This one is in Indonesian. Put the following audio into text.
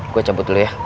gue cabut dulu ya